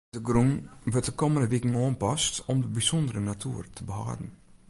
De grûn wurdt de kommende wiken oanpast om de bysûndere natoer te behâlden.